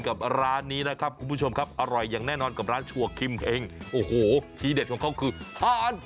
กรุงเทพ